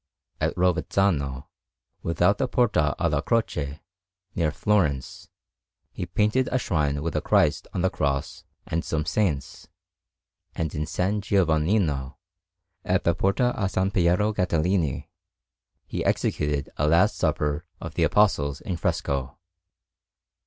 At Rovezzano, without the Porta alla Croce, near Florence, he painted a shrine with a Christ on the Cross and some saints; and in S. Giovannino, at the Porta a S. Piero Gattolini, he executed a Last Supper of the Apostles in fresco.